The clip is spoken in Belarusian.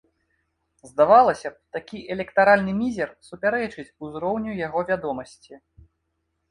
Здавалася б, такі электаральны мізер супярэчыць узроўню яго вядомасці.